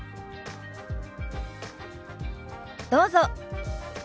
どうぞ。